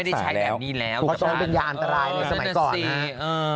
เขาไม่ได้ใช้แบบนี้แล้วเขาต้องเป็นยาอันตรายในสมัยก่อนนะ